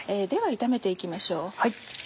では炒めて行きましょう。